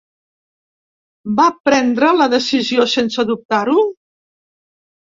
Va prendre la decisió sense dubtar-ho?